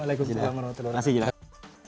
wa'alaikumussalam warahmatullahi wabarakatuh